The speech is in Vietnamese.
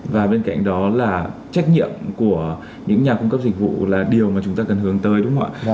và bên cạnh đó là trách nhiệm của những nhà cung cấp dịch vụ là điều mà chúng ta cần hướng tới đúng không ạ